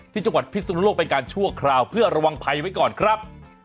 ที่จังหวัดพิศนุโลกเป็นการชั่วคราวเพื่อระวังภัยไว้ก่อนครับ